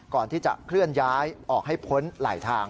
ก่อนที่จะเคลื่อนย้ายออกให้พ้นไหลทาง